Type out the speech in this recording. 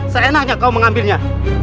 seenaknya kau mengambilnya